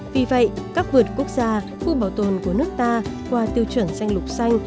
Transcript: vì vậy các vườn quốc gia khu bảo tồn của nước ta qua tiêu chuẩn danh lục xanh